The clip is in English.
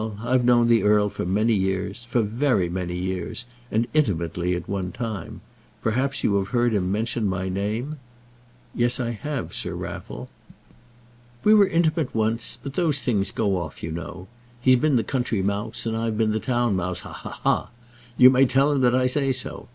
I've known the earl for many years, for very many years; and intimately at one time. Perhaps you may have heard him mention my name?" "Yes, I have, Sir Raffle." "We were intimate once, but those things go off, you know. He's been the country mouse and I've been the town mouse. Ha, ha, ha! You may tell him that I say so.